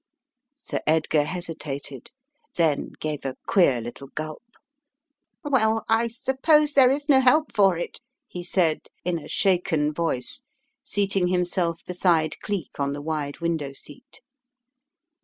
Sir Edgar hesitated, then gave a queer little gulp. "Well, I suppose there is no help for it," he said in a shaken voice, seating himself beside Cleek on the wide window seat.